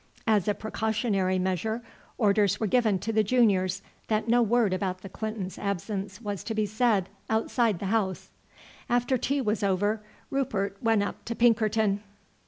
As a precautionary measure orders were given to the juniors that no word about the Clintons' absence was to be said outside the house. After tea was over Rupert went up to Pinkerton.